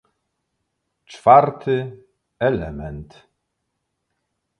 Czwarty element